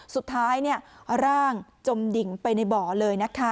สุดท้ายร่างจมดิ่งไปในบ่อเลยนะคะ